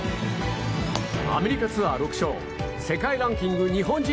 アメリカツアー６勝世界ランキング日本人